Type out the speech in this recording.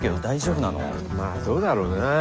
まあどうだろうね。